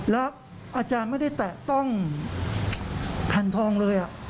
แล้วอาจารย์ไม่ได้แตะต้องแผ่นทองเลย